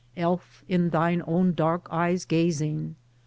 Elf in thine own dark eyes gazing!